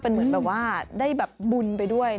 เป็นเหมือนแบบว่าได้แบบบุญไปด้วย